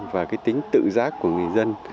và cái tính tự giác của người dân